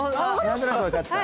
何となく分かった。